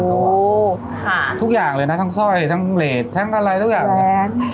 ทุกอย่างเลยนะทั้งสร้อยทั้งเลสทั้งอะไรทุกอย่างแทน